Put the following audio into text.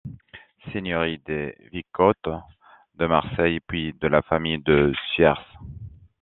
Seigneurie des vicomtes de Marseille, puis de la famille de Cuers.